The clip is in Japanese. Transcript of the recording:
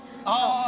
ああ。